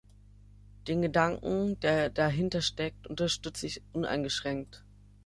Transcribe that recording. Den Gedanken, der dahinter steckt, unterstütze ich uneingeschränkt.